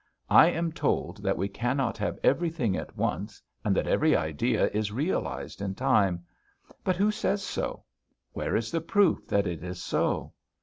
I am told that we cannot have everything at once, and that every idea is realised in time. But who says so? Where is the proof that it is so?